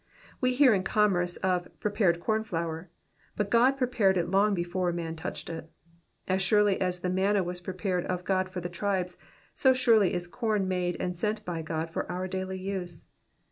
We ear in commerce of prepared corn flour, but God prepared it long before man touched it. As surely as the manna was prepared of God for the tribes, so certainly is corn made and sent by God for our daily use.